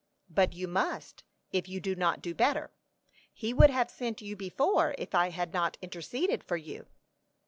"But you must, if you do not do better. He would have sent you before if I had not interceded for you."